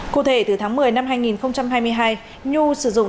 cụ thể từ tháng một mươi năm hai nghìn hai mươi hai nhu sử dụng tài khoản phát triển